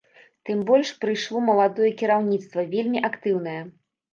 Тым больш прыйшло маладое кіраўніцтва, вельмі актыўнае.